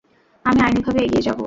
আমি আইনিভাবে এগিয়ে যাবো।